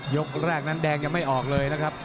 ยกแรกนั้นแดงยังไม่ออกเลยนะครับ